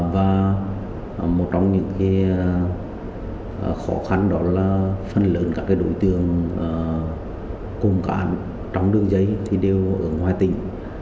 và một trong những khó khăn đó là phần lớn các đối tượng công an trong đường dây đều ở ngoài tỉnh